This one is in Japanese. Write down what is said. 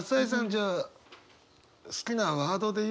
じゃあ好きなワードで言うと？